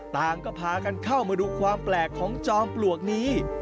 ต่างก็พากันเข้ามาดูความแปลกของจอมปลวกนี้